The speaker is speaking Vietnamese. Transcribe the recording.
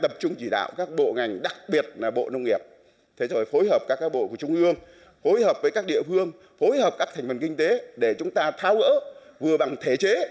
phối hợp với các địa phương phối hợp các thành phần kinh tế để chúng ta thao gỡ vừa bằng thể chế